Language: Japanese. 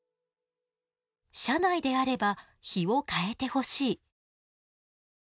「社内であれば日を変えて欲しい」。